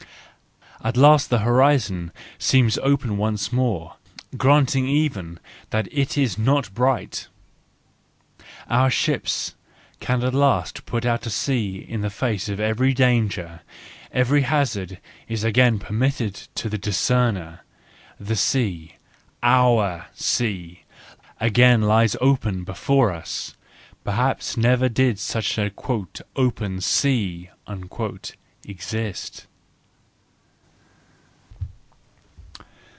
At last the horizon seems open once more, granting even that it is not bright; our ships can at last put out to sea in face of every danger; every hazard is again permitted to the discerner; the sea, our sea, again lies open before us; perhaps never before did such an " open sea " exist.